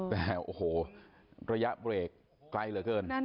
แต่โอ้โหระยะเบรกไกลเหลือเกิน